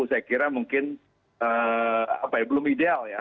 saya kira mungkin belum ideal ya